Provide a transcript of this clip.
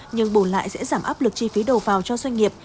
nhưng bùn lại sẽ giảm áp lực chi phí đầu vào cho doanh nghiệp